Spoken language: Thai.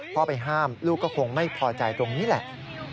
พ่อไปห้ามลูกก็คงไม่พอใจตรงนี้แหละ